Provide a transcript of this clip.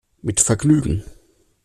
Mit Vergnügen!